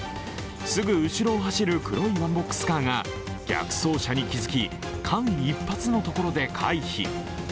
すぐ後ろを走る黒いワンボックスカーが逆走車に気付き、間一髪のところで回避。